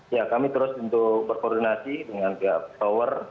ya kami terus berkoordinasi dengan pihak power